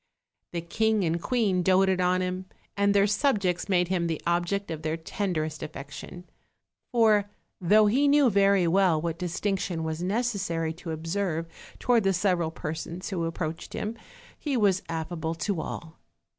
The king and queen doted OIL him, and their subjects made him the object of their tenderest affection; for, though he knew very well what distinc tion was necessary to observe toward the several persons who approached him, he was affable to all.